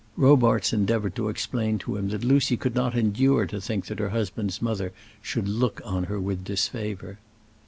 Robarts endeavoured to explain to him that Lucy could not endure to think that her husband's mother should look on her with disfavour.